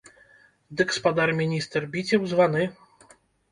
Дык, спадар міністр, біце ў званы!